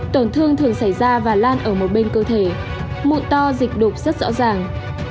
tổn thương thường xảy ra và lan ở một bên cơ thể mụn to dịch đục rất rõ ràng